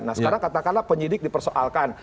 nah sekarang katakanlah penyidik dipersoalkan